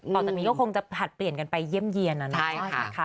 ตอนนี้ก็คงจะผลัดเปลี่ยนกันไปเยี่ยมเยี่ยนนะจ้อยค่ะ